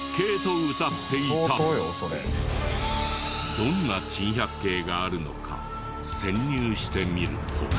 どんな珍百景があるのか潜入してみると。